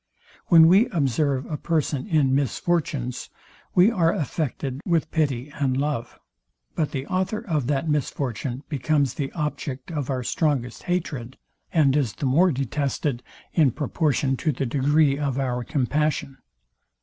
When we observe a person in misfortunes, we are affected with pity and love; but the author of that misfortune becomes the object of our strongest hatred, and is the more detested in proportion to the degree of our compassion.